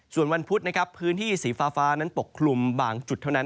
ส่วนวันพุธนะครับพื้นที่สีฟ้านั้นปกคลุมบางจุดเท่านั้น